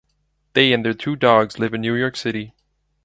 They and their two dogs live in New York City.